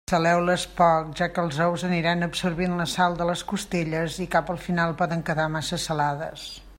Saleu-les poc, ja que els ous aniran absorbint la sal de les costelles i cap al final poden quedar massa salades.